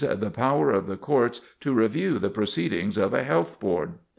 the power of the courts to review the proceedings of a health board.